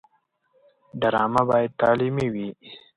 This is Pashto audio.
ډرامه باید تعلیمي وي